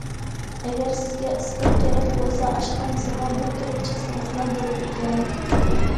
ئەگەر سىزگە ئىسپات كېرەك بولسا ئاشخانىسىغا بىر كىرىپ چىقسىڭىزلا بولىدىكەن.